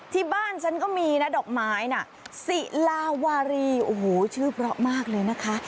ที่บ้านฉันก็มีนะดอกไม้น่ะสิลาวารีโอ้โหชื่อเพราะมากเลยนะคะ